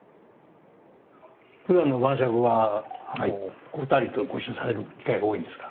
ふだんの晩酌はお二人とご一緒される機会が多いんですか？